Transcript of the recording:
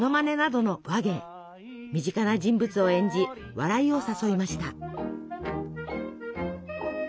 身近な人物を演じ笑いを誘いました。